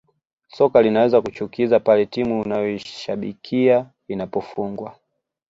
Soka linaweza kuchukiza pale timu unayoishabikia inapofungwa